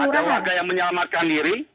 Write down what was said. ada warga yang menyelamatkan diri